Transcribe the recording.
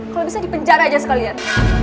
kalau bisa dipenjara aja sekalian